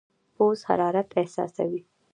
پوست حرارت احساسوي.